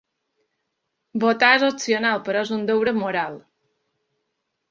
Votar és opcional, però és un deure moral.